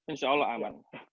insya allah aman